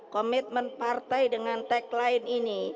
komitmen partai dengan tagline ini